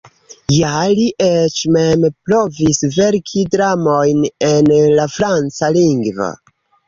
Ja, li eĉ mem provis verki dramojn en la franca lingvo.